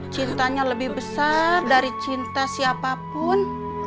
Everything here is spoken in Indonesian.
cintanya lebih besar dari cinta siapapun